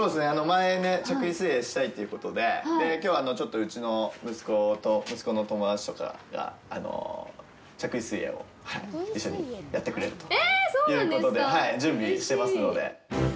前ね、着衣水泳をしたいということで、きょう、ちょっとうちの息子と、息子の友達とかがえっ、そうなんですか！？ということで準備してますので。